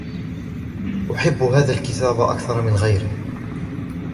أحب هذا الكتاب أكثر من غيره.